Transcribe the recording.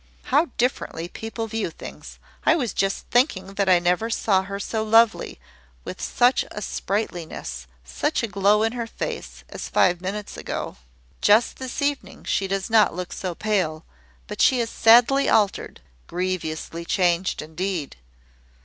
"How differently people view things! I was just thinking that I never saw her so lovely, with such a sprightliness, such a glow in her face, as five minutes ago." "Just this evening, she does not look so pale; but she is sadly altered grievously changed indeed.